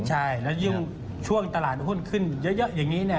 ใช่แล้วยิ่งช่วงตลาดหุ้นขึ้นเยอะอย่างนี้เนี่ย